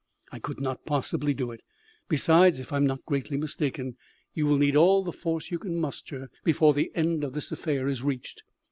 I could not possibly do it. Besides, if I am not greatly mistaken, you will need all the force you can muster before the end of the affair is reached.